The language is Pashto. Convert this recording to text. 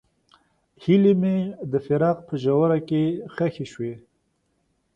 هیلې مې د فراق په ژوره کې ښخې شوې.